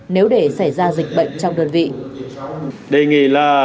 nếu để xảy ra dịch bệnh trong đơn vị